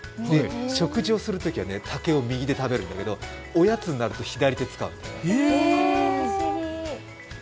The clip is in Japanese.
食事をするときは竹を右で食べるんだけど、おやつになると左で使うの。